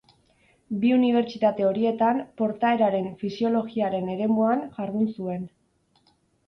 Bi unibertsitate horietan portaeraren fisiologiaren eremuan jardun zuen.